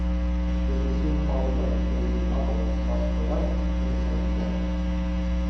This was soon followed by his debut novel, "Marked for Life", the same year.